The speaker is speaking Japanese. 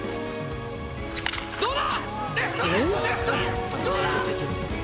どうだ！